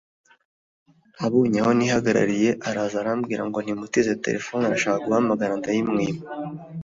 abonye aho nihagarariye araza arambwira ngo nimutize telefone arashaka guhamagara ndayimwima